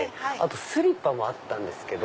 スリッパもあったんですけど。